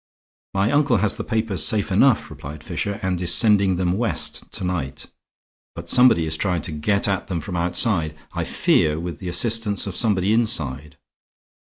"My uncle has the papers safe enough," replied Fisher, "and is sending them west to night; but somebody is trying to get at them from outside, I fear with the assistance of somebody inside.